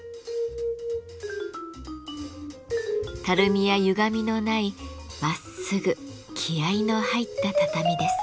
たるみやゆがみのないまっすぐ気合いの入った畳です。